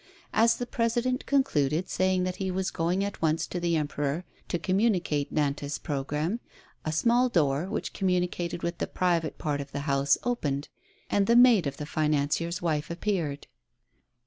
As the President concluded, saying that he was going at once to the Emperor to communicate Nantas' programme, a small door, which communicated with the private part of the house opened, and the maid of the financier's wife appeared.